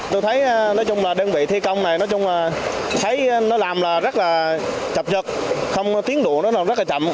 tôi thấy đơn vị thi công này làm rất là chập nhật không tiến đủ rất là chậm